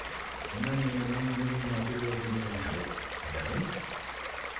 何が何でも負けるわけにはいかねぇだろ？